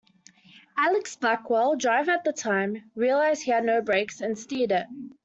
Alex Blackwell, driver at the time, realized he had no brakes, and steered it.